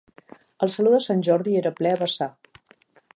El Saló de Sant Jordi era ple a vessar.